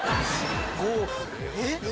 えっ？